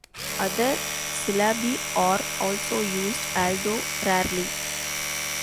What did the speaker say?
Other syllabi are also used, although rarely.